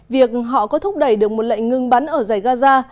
việc họ có thúc đẩy được một lệnh ngưng bắn ở dãy gaza